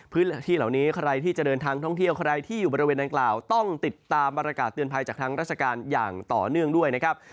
พื้นที่เหล่านี้ใครที่จะเดินทางท่องเที่ยวใครที่อยู่บริเวณดังกล่าวต้องติดตามประกาศเตือนภัยจากทางราชการอย่างต่อเนื่องด้วยนะครับ